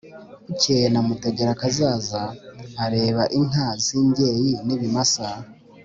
bukeye namutegerakazaza areba inka z imbyeyi n ibimasa